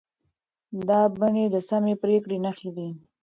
دا بڼې د سمې پرېکړې نښې دي.